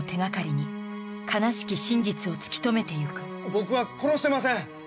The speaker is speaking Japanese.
僕は殺してません！